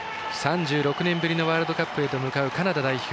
３６年ぶりのワールドカップへと向かうカナダ代表。